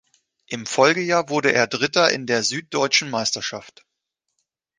Im Folgejahr wurde er Dritter in der süddeutschen Meisterschaft.